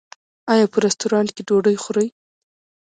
ایا په رستورانت کې ډوډۍ خورئ؟